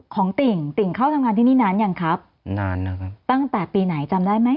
ติ่งติ่งเข้าทำงานที่นี่นานยังครับนานนะครับตั้งแต่ปีไหนจำได้ไหม